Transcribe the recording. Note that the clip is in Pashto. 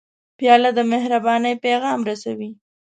پیاله د مهربانۍ پیغام رسوي.